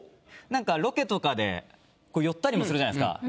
なんかロケとかで寄ったりもするじゃないですか。